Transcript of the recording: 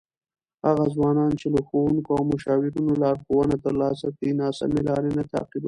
هغه ځوانان چې له ښوونکو او مشاورینو لارښوونه ترلاسه کړي، ناسمې لارې نه تعقیبوي.